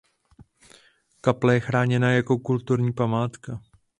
Kaple je chráněna jako kulturní památka.